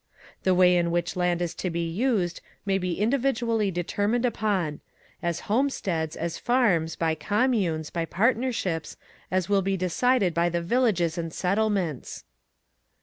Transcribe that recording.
The way in which land is to be used may be individually determined upon: as homesteads, as farms, by communes, by partnerships, as will be decided by the villages and settlements.